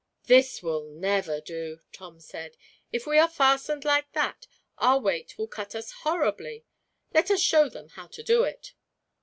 "This will never do," Tom said. "If we are fastened like that, our weight will cut us horribly. Let us show them how to do it."